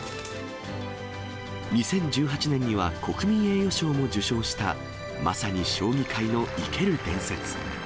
２０１８年には、国民栄誉賞も受賞した、まさに将棋界の生ける伝説。